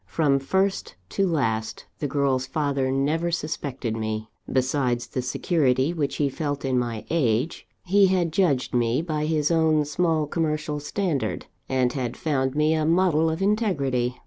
From first to last, the girl's father never suspected me. Besides the security which he felt in my age, he had judged me by his own small commercial standard, and had found me a model of integrity.